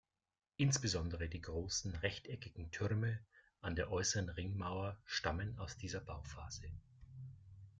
Insbesondere die großen rechteckigen Türme an der äußeren Ringmauer stammen aus dieser Bauphase.